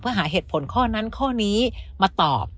เพื่อหาเหตุผลข้อนั้นข้อนี้มาตอบ